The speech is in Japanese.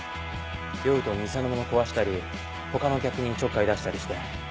酔うと店の物を壊したりほかの客にちょっかい出したりして。